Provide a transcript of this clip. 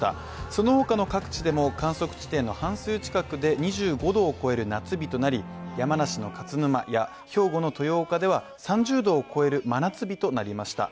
その他の各地でも観測地点の半数近くで２５℃を超える夏日となり山梨の勝沼や兵庫の豊岡では３０℃を超える真夏日となりました。